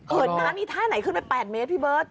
น้ำอีท่าไหนขึ้นไป๘เมตรพี่เบิร์ต